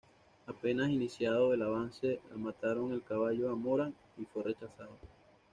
Apenas iniciado el avance le mataron el caballo a Morán, y fue rechazado.